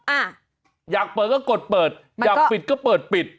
อ่ะอยากเปิดก็กดเปิดอยากปิดก็เปิดปิด